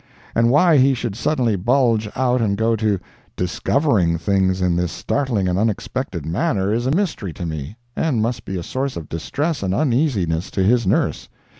And why he should suddenly bulge out and go to "discovering" things in this startling and unexpected manner, is a mystery to me, and must be a source of distress and uneasiness to his nurse.